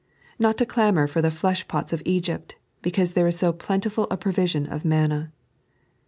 Not to clamour for the fleehpote of EgTpt, hocause there is so plentiful a promion of manna.